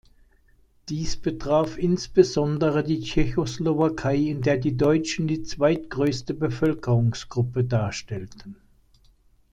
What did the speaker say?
Dies betraf insbesondere die Tschechoslowakei, in der die Deutschen die zweitgrößte Bevölkerungsgruppe darstellten.